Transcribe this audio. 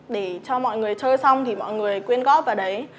để cho mọi người chơi xong thì mọi người quyên góp vào đấy